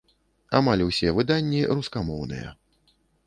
Амаль усе выданні рускамоўныя.